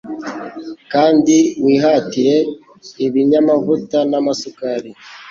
kandi wihatire ibinyamavuta n'amasukari